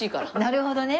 なるほどね。